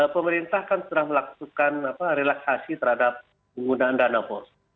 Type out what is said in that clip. pemerintah kan sudah melakukan relaksasi terhadap penggunaan dana bos